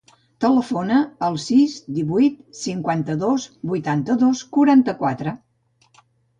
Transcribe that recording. Telefona al sis, divuit, cinquanta-dos, vuitanta-dos, quaranta-quatre.